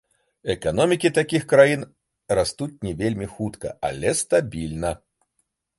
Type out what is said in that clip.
Эканомікі такіх краін растуць не вельмі хутка, але стабільна.